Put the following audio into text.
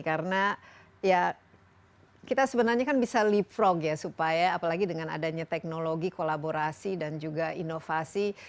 karena ya kita sebenarnya kan bisa leapfrog ya supaya apalagi dengan adanya teknologi kolaborasi dan juga inovasi